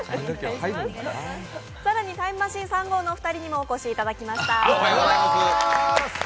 更にタイムマシーン３号のお二人にもお越しいただきました。